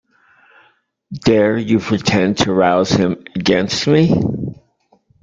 Dare you pretend to rouse him against me?